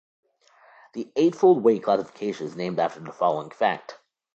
The Eightfold Way classification is named after the following fact.